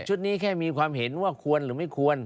นี้แค่มีความเห็นว่าควรหรือไม่ควร